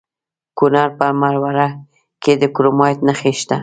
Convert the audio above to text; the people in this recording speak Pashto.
د کونړ په مروره کې د کرومایټ نښې شته.